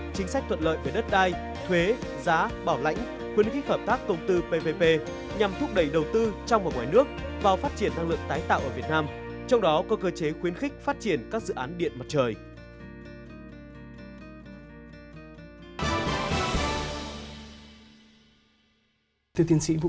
chính sách thuận lợi về đất đai thuế giá bảo lãnh khuyến khích hợp tác công tư pvp